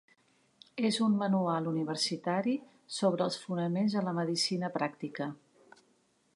És un manual universitari sobre els fonaments de la medicina pràctica.